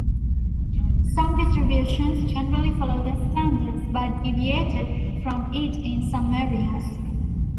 Some distributions generally follow the standard but deviate from it in some areas.